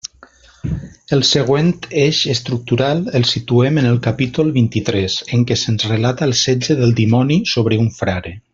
El següent eix estructural el situem en el capítol vint-i-tres, en què se'ns relata el setge del dimoni sobre un frare.